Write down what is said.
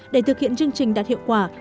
để thực hiện chương trình đạt hiệu quả